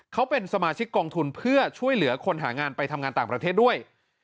เขาเป็นสมาชิกกองทุนเพื่อช่วยเหลือคนหางานไปทำงานต่างประเทศด้วย